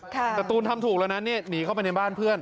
แต่ตูนทำถูกแล้วนะนี่หนีเข้าไปในบ้านเพื่อน